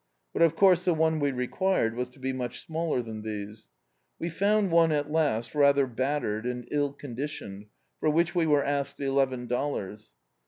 But, of course, the one we required was to be much smaller than these. We found one, at last, rather battered, and ill condi tioned, for which we were asked eleven dollars.